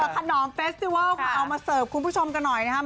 ขนอมเฟสติเวิลค่ะเอามาเสิร์ฟคุณผู้ชมกันหน่อยนะครับ